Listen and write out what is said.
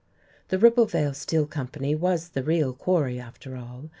The Ribblevale Steel Company was the real quarry, after all.